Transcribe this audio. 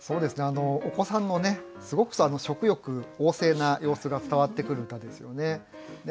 お子さんのすごく食欲旺盛な様子が伝わってくる歌ですよね。